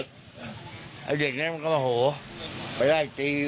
คนตายใช้ไรดี